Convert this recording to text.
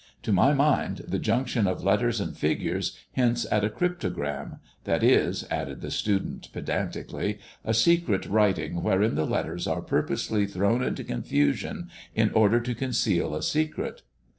To my mind the junction of letters, and figures, hints at a cryptogram ; that is," added the student pedantically, " a secret writing wherein the letters are purposely thrown into confusion in order to conceal a secret."